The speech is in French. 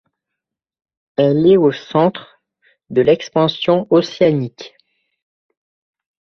Elle est au centre de l'expansion océanique.